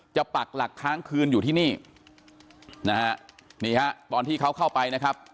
ปักหลักค้างคืนอยู่ที่นี่นะฮะนี่ฮะตอนที่เขาเข้าไปนะครับ